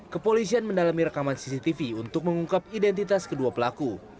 kepolisian mendalami rekaman cctv untuk mengungkap identitas kedua pelaku